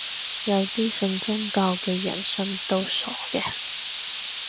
有啲信宗教嘅人信到傻嘅